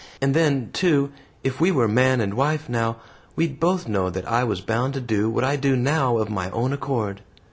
And then, too, if we were man and wife, now, we'd both know that I was bound to do what I do now of my own accord."